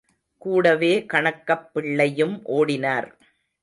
கூடவே கணக்கப் பிள்ளையும் ஓடினார்.